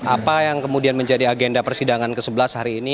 apa yang kemudian menjadi agenda persidangan ke sebelas hari ini